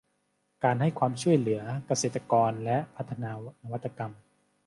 การให้ความช่วยเหลือเกษตรกรและพัฒนานวัตกรรม